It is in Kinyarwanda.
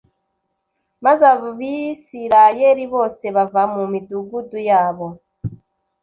Maze abisirayeli bose bava mu midugudu yabo